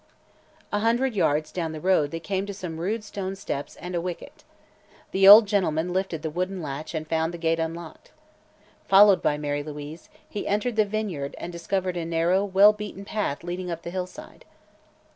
A hundred yards down the road they came to some rude stone steps and a wicket. The old gentleman lifted the wooden latch and found the gate unlocked. Followed by Mary Louise, he entered the vineyard and discovered a narrow, well beaten path leading up the hillside.